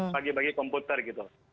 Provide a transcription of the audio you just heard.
bagi bagi komputer gitu